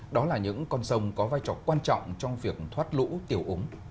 đó là những con sông có vai trò quan trọng trong việc thoát lũ tiểu ống